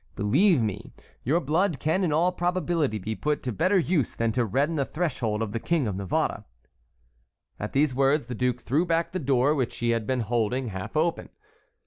Believe me, your blood can in all probability be put to better use than to redden the threshold of the King of Navarre." At these words the duke threw back the door which he had been holding half open.